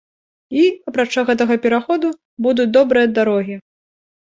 І, апрача гэтага пераходу, будуць добрыя дарогі.